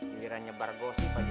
gilirannya bargosip aja